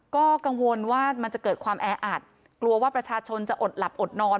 ก็กังวลว่ามันจะเกิดความแออัดกลัวว่าประชาชนจะอดหลับอดนอน